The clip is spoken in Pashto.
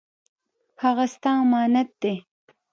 هغه ستا امانت دی